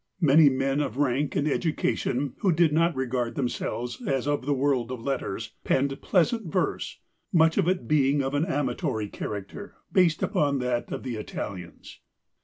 Many men of rank and education, who did not regard themselves as of the world of letters, penned pleasant verse, much of it being of an amatory character based upon that of the Italians.